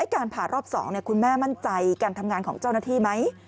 การผ่ารอบ๒คุณแม่มั่นใจการทำงานของเจ้าหน้าที่ไหม